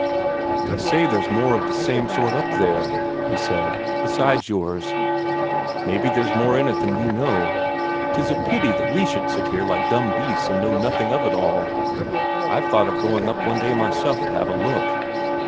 "They say there's more of the same sort up there," he said, "besides yours. Maybe there's more in it than we know. 'Tis a pity that we should sit here like dumb beasts and know nothing of it all. I've thought of going up one day myself to have a look."